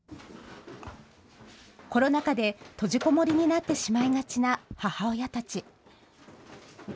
コロナ禍で閉じこもりになってしまいがちな母親たち。